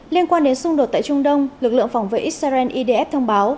liên quan đến xung đột tại trung đông lực lượng phòng vệ israel idf thông báo